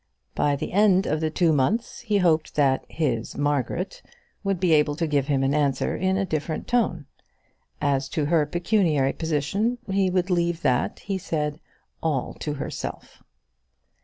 By the end of the two months he hoped that "his Margaret" would be able to give him an answer in a different tone. As to her pecuniary position, he would leave that, he said, "all to herself."